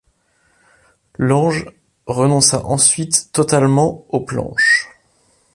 Lange renonça ensuite totalement aux planches.